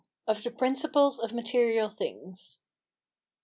OF THE PRINCIPLES OF MATERIAL THINGS.